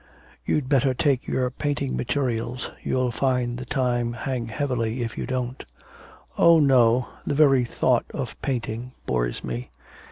You'd better take your painting materials; you'll find the time hang heavily, if you don't.' 'Oh no, the very thought of painting bores me.'